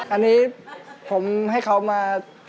อันนี้ผมให้เขามา